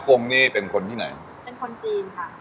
กงนี่เป็นคนที่ไหนเป็นคนจีนค่ะ